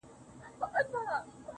د انتظار دې پر پدره سي لعنت شېرينې~